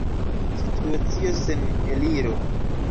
Situacio sen eliro.